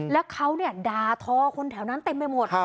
แล้วเขาด่าทอคนแถวนั้นเต็มไปหมด